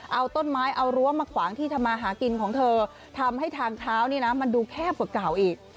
เอาต้นไม้เอารั้วมาขวางที่ทำมาหากินของเธอทำให้ทางเท้านี่นะมันดูแคบกว่าเก่าอีก